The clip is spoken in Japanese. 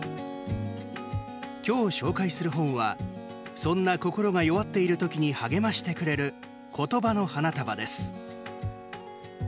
今日紹介する本はそんな心が弱っている時に励ましてくれる「言葉の花束」です。